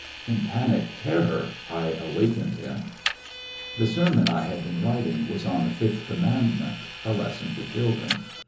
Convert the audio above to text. In panic terror I awakened him. The seimon I had been writing was on the Fifth Commandment, a lesson to children.